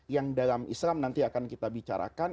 yang dalam islam nanti akan kita bicarakan